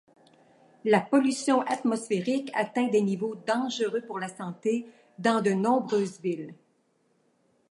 La pollution atmosphérique atteint des niveaux dangereux pour la santé dans de nombreuses villes.